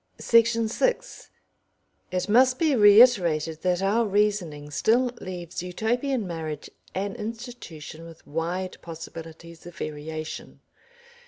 Section 6 It must be reiterated that our reasoning still leaves Utopian marriage an institution with wide possibilities of variation.